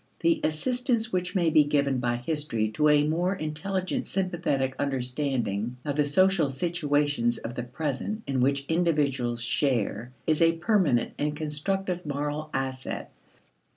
The assistance which may be given by history to a more intelligent sympathetic understanding of the social situations of the present in which individuals share is a permanent and constructive moral asset.